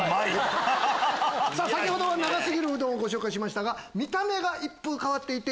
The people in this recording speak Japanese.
先ほどは長過ぎるうどんをご紹介しましたが。